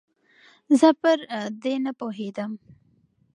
زه پر دې نپوهېدم